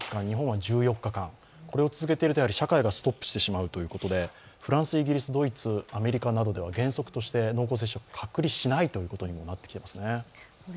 日本は１４日間、これを続けていると社会がストップしてしまうということでフランス、イギリス、ドイツ、アメリカなどは原則として濃厚接触、隔離しないということになってきていますね。